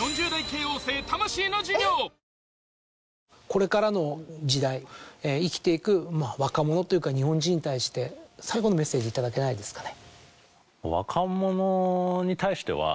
これからの時代生きていく若者というか日本人に対して最後のメッセージ頂けないですかね。